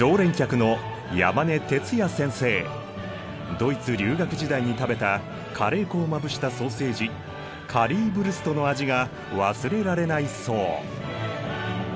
ドイツ留学時代に食べたカレー粉をまぶしたソーセージカリーヴルストの味が忘れられないそう。